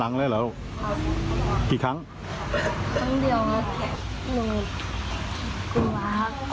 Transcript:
กลัวแล้วหนูไหมไม่ครับมันมาเลยมีหัวอะไรหรอ